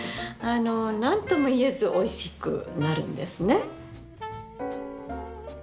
何とも言えずおいしくなるんですね。